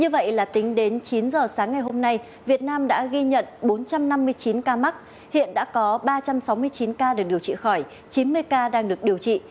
chín h sáng ngày hôm nay việt nam đã ghi nhận bốn trăm năm mươi chín ca mắc hiện đã có ba trăm sáu mươi chín ca được điều trị khỏi chín mươi ca đang được điều trị